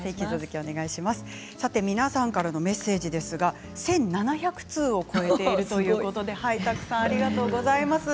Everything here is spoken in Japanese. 皆さんからのメッセージですが１７００通を超えているということです。